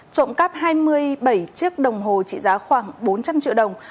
trộm cắp hai mươi bảy chiếc đồng hồ trị giá khoảng bốn trăm linh triệu đồng